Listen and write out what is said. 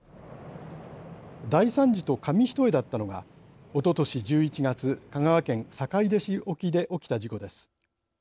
大惨事と紙一重だったのがおととし１１月香川県坂出市沖で起きた事故です。